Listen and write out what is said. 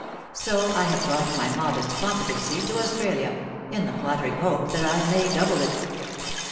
So I have brought my modest competency to Australia, in the flattering hope that I may double it.'